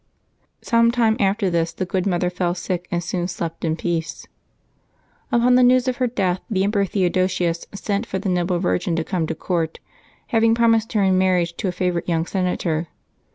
Some time after this the good mother fell sick, and soon slept in peace. Upon the news of her death the Emperor Theodosius sent for the noble virgin to come to court, having promised her in marriage to a favorite young senator.